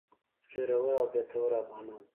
ږيره ور او برېتور افغانان.